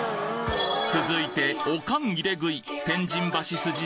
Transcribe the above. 続いてオカン入れ食い